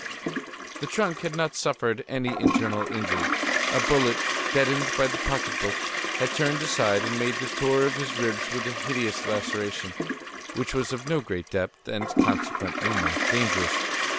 The trunk had not suffered any internal injury; a bullet, deadened by the pocket book, had turned aside and made the tour of his ribs with a hideous laceration, which was of no great depth, and consequently, not dangerous.